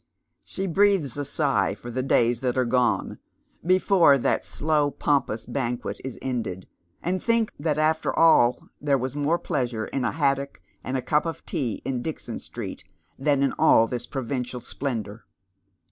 Slie breathes a sigh for the days that are gone, before that slow, pompous banquet is ended, and thinks that after all there was more pleasure in a haddock and a cup of tea in Dixon Street than in all this provincial splendour.